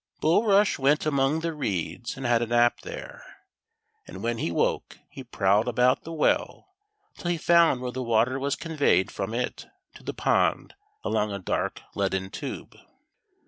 Bulrush went among the reeds and had a nap there, and when he woke, he prowled about the well till he found where the water was conveyed from it to the pond along a dark leaden tube.